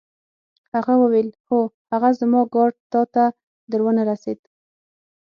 هغه وویل: هو، هغه زما کارډ تا ته در ونه رسید؟